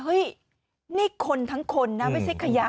เฮ้ยนี่คนทั้งคนนะไม่ใช่ขยะ